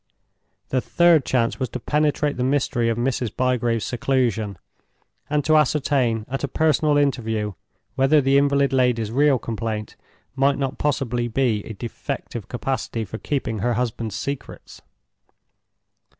The third chance was to penetrate the mystery of Mrs. Bygrave's seclusion, and to ascertain at a personal interview whether the invalid lady's real complaint might not possibly be a defective capacity for keeping her husband's secrets.